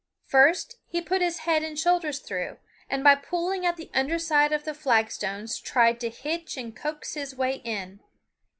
First he put his head and shoulders through, and by pulling at the under side of the flagstones tried to hitch and coax his way in.